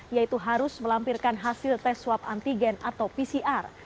yaitu harus melampirkan hasil tes swab antigen atau pcr